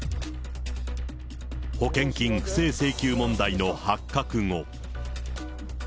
保険金不正請求問題の発覚後。